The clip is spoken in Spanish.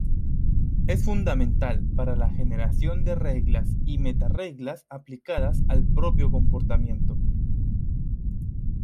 Es fundamental para la generación de reglas y meta-reglas aplicadas al propio comportamiento.